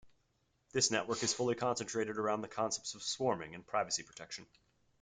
This network is fully concentrated around the concepts of swarming and privacy protection.